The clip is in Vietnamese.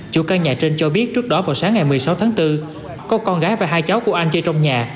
chủ căn nhà trên cho biết trước đó vào sáng ngày một mươi sáu tháng bốn có con gái và hai cháu của anh chê trong nhà